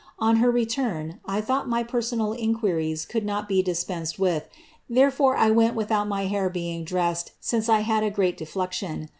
On her return, I thought ay personal inquiries could not be dispensetl with, therefore I went withoit my hair being dressed, since 1 had a great defluxion.